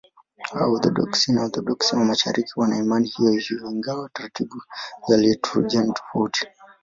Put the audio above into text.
Waorthodoksi na Waorthodoksi wa Mashariki wana imani hiyohiyo, ingawa taratibu za liturujia ni tofauti.